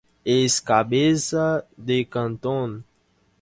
Es cabeza de cantón.